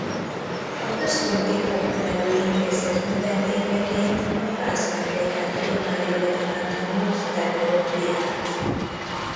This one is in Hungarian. A Központi Papnevelő Intézet növendékeként a Pázmány Péter Tudományegyetemen tanult teológiát.